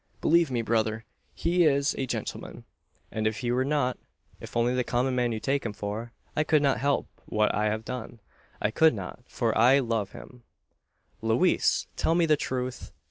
Believe me, brother, he is a gentleman; and if he were not if only the common man you take him for I could not help what I have done I could not, for I love him!" "Louise! tell me the truth!